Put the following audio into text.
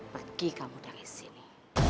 pergi kamu dari sini